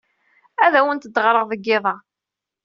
Ad awent-d-ɣreɣ deg yiḍ-a.